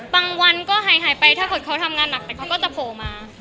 บางวันก็หายไปถ้าเกิดเขาทำงานหนักแต่เขาก็จะโผล่มา